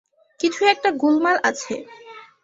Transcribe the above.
কিছু একটা গোলমাল আছে!